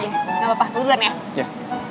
gapapa kemudian ya